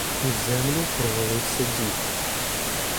І в землю провалився дід.